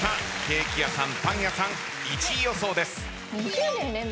ケーキ屋さん・パン屋さん１位予想です。